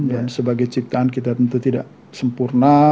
dan sebagai ciptaan kita tentu tidak sempurna